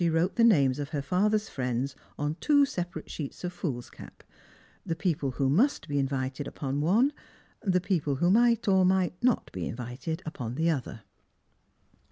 wrote the names of her father's friends on two separate sheet* of foolscap — the people who must be invited upon one, the people who might or might not be invited upon the other.